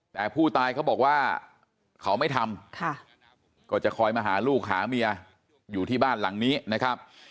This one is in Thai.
แต่ผู้ตายเขาบอกว่าเขาไม่ทำก็จะคอยมาหาลูกหาเมียอยู่ที่บ้านหลังนี้นะครับ